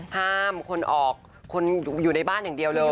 ห้ามคนออกคนอยู่ในบ้านอย่างเดียวเลย